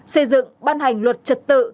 xây dựng ban hành luật trật tự